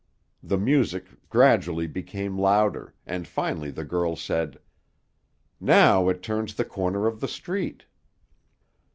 The music gradually became louder, and finally the girl said, "Now it turns the corner of the street."